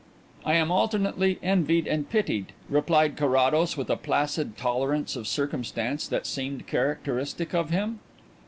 "I am alternately envied and pitied," replied Carrados, with a placid tolerance of circumstance that seemed characteristic of him.